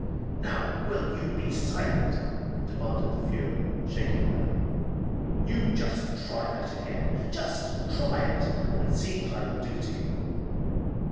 "Now will you be silent?" demanded the fury, shaking her. "You just try that again! Just try it, and see what I will do to you."